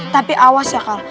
tapi awas ya kal